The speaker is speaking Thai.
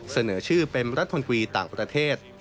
เสนอชื่อเป็นรัฐมนตรีต่างประเทศ